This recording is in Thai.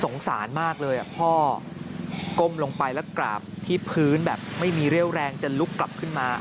สารมากเลยพ่อก้มลงไปแล้วกราบที่พื้นแบบไม่มีเรี่ยวแรงจะลุกกลับขึ้นมา